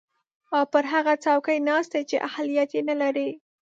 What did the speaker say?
او پر هغه څوکۍ ناست دی چې اهلیت ېې نلري